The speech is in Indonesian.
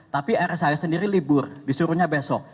tapi rshs sendiri libur disuruhnya besok